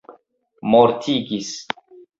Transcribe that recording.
mortigis